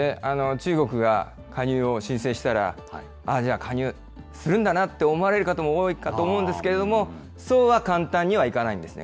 中国が加入を申請したら、加入するんだなって思われる方も多いかと思うんですけれども、そうは簡単にはいかないんですね。